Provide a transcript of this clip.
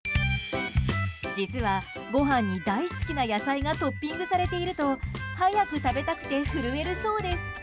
実は、ごはんに大好きな野菜がトッピングされていると早く食べたくて震えるそうです。